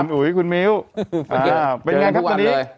อุ๋ยคุณมิ้วเป็นไงครับตอนนี้